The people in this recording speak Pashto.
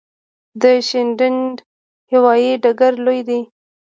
د شینډنډ هوايي ډګر لوی دی